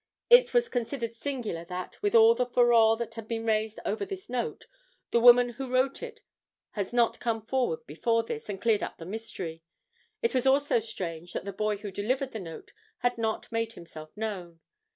It was considered singular that, with all the furore that has been raised over this note, the woman who wrote it has not come forward before this and cleared up the mystery. It is also strange that the boy who delivered the note has not made himself known.